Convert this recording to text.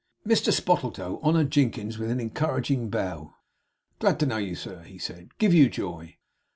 Mr Spottletoe honoured Jinkins with an encouraging bow. 'Glad to know you, sir,' he said. 'Give you joy!